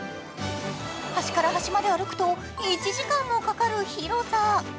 端から端まで歩くと１時間もかかる広さ。